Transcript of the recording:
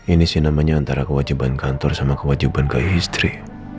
ini sih namanya antara kewajiban kantor sama kewajiban keistri